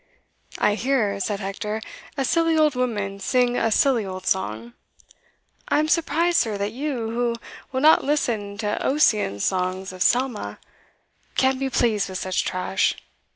"I hear," said Hector, "a silly old woman sing a silly old song. I am surprised, sir, that you, who will not listen to Ossian's songs of Selma, can be pleased with such trash.